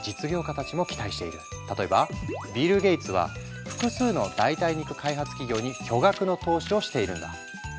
例えばビル・ゲイツは複数の代替肉開発企業に巨額の投資をしているんだ。